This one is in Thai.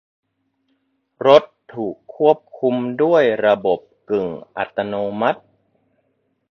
รถถูกควบคุมด้วยระบบกึ่งอัตโนมัติ